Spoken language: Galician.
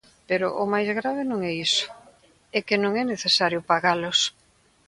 Pero o máis grave non é iso, é que non é necesario pagalos.